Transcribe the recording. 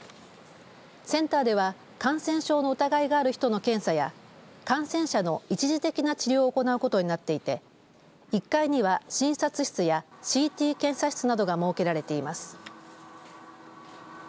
センターでは感染症の疑いがある人の検査や感染者の一時的な治療を行うことになっていて１階には診察室やＣＴ検査室などが設けられています。